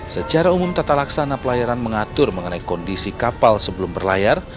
secara umum tata laksana pelayaran mengatur mengenai kondisi kapal sebelum berlayar